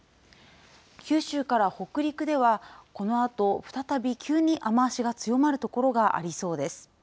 九州から北陸では、このあと、再び急に雨足が強まる所がありそうです。